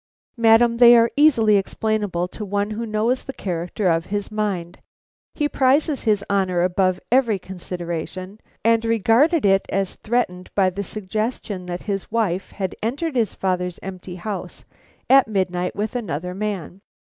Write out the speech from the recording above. "Madam, they are easily explainable to one who knows the character of his mind. He prizes his honor above every consideration, and regarded it as threatened by the suggestion that his wife had entered his father's empty house at midnight with another man.